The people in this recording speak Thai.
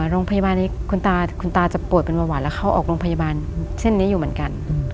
โรงพยาบาลนี้คุณตาคุณตาจะป่วยเป็นเบาหวานแล้วเข้าออกโรงพยาบาลเช่นนี้อยู่เหมือนกัน